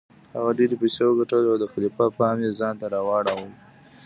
هغه ډیرې پیسې وګټلې او د خلیفه پام یې ځانته راواړوه.